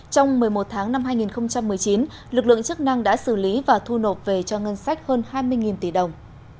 trong một mươi một tháng năm hai nghìn một mươi chín lực lượng chức năng đã xử lý và thu nộp về cho ngân sách hơn hai mươi tỷ đồng